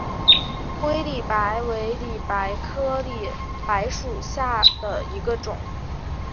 灰里白为里白科里白属下的一个种。